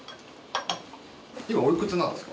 今おいくつなんですか？